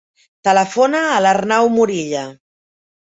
Telefona a l'Arnau Morilla.